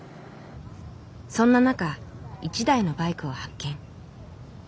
そんな中１台のバイクを発見。